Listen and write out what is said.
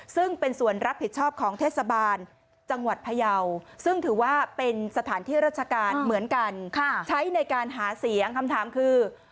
ซึ่งเป็นส่วนรับผิดชอบของเทศบาลจังหวัดพยาวซึ่งถือว่าเป็นสถานที่ราชการเหมือนกันใช้ในการหาเสียงคำถามคือ